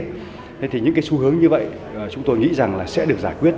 thế thì những cái xu hướng như vậy chúng tôi nghĩ rằng là sẽ được giải quyết